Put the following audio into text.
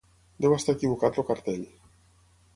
Deu estar equivocat el cartell.